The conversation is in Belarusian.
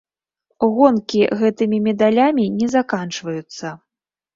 Гонкі гэтымі медалямі не заканчваюцца.